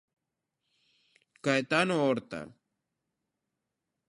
Caetano Horta.